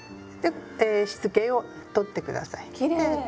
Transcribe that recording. でしつけを取ってください。